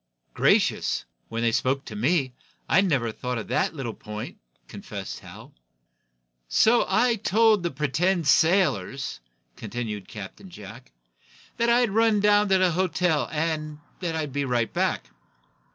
"Gracious! When they spoke to me, I never thought of that little point," confessed Hal. "So I told the pretended sailors," continued Captain Jack, "that I'd run down to the hotel, and that I'd be right back."